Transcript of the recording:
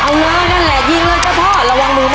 ยิงเลยยิงเลยยิงเลย